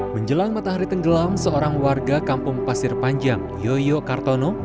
menjelang matahari tenggelam seorang warga kampung pasir panjang yoyo kartono